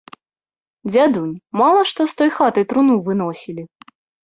Дзядунь, мала што з той хаты труну выносілі.